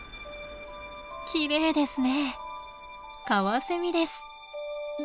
きれいですね！